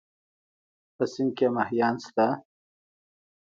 په سيند کې مهيان شته؟